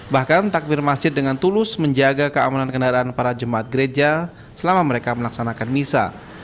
bahkan takbir masjid dengan tulus menjaga keamanan kendaraan para jemaat gereja selama mereka melaksanakan misa